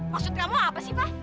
maksud kamu apa sih pak